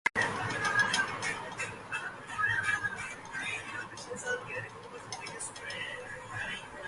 The village itself still carries heavy battle damage.